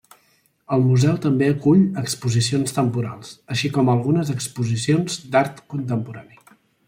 El museu també acull exposicions temporals, així com algunes exposicions d'art contemporani.